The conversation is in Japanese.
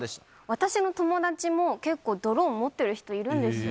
私の友達も、結構ドローン持っている人いるんですよ。